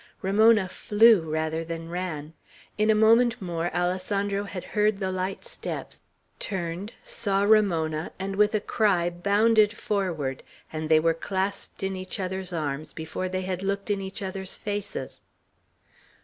Ramona flew, rather than ran. In a moment more, Alessandro had heard the light steps, turned, saw Ramona, and, with a cry, bounded forward, and they were clasped in each other's arms before they had looked in each other's faces.